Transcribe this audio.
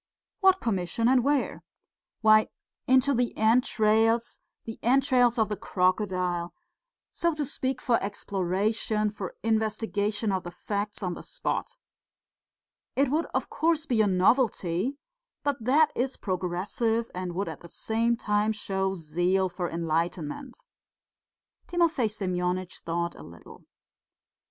"What commission and where?" "Why, into the entrails, the entrails of the crocodile.... So to speak, for exploration, for investigation of the facts on the spot. It would, of course, be a novelty, but that is progressive and would at the same time show zeal for enlightenment." Timofey Semyonitch thought a little.